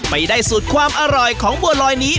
ไปได้สูตรความอร่อยของบัวลอยนี้